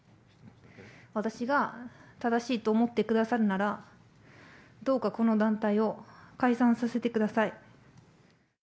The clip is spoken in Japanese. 私が正しいと思ってくださるなら、どうかこの団体を解散させてください。